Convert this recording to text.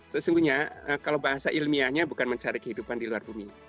sesungguhnya kalau bahasa ilmiahnya bukan mencari kehidupan di luar bumi